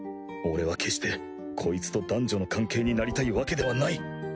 俺は決してコイツと男女の関係になりたいわけではない